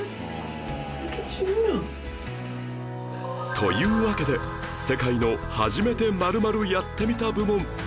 というわけで世界の初めて○○やってみた部門でした